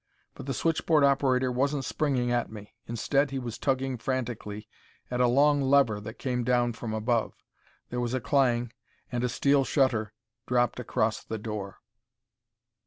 But the switchboard operator wasn't springing at me. Instead, he was tugging frantically, at a long lever that came down from above. There was a clang, and a steel shutter dropped across the door.